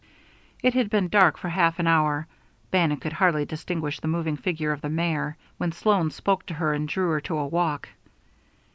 It had been dark for half an hour Bannon could hardly distinguish the moving figure of the mare when Sloan spoke to her and drew her to a walk.